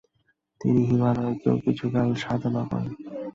তিনি হিমালয়েও কিছুকাল সাধনা করেন।